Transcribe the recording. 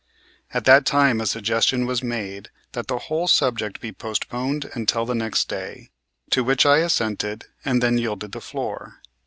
At that time a suggestion was made that the whole subject be postponed until the next day, to which I assented, and then yielded the floor.